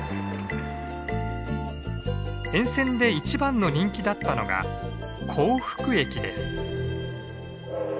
沿線で一番の人気だったのが幸福駅です。